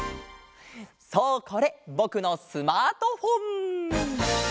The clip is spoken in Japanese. そうこれぼくのスマートフォン！